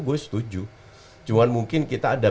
gue setuju cuman mungkin kita ada